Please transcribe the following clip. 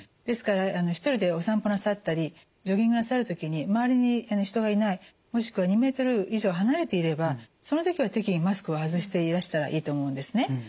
ですから一人でお散歩なさったりジョギングなさる時に周りに人がいないもしくは２ｍ以上離れていればその時は適宜マスクを外していらしたらいいと思うんですね。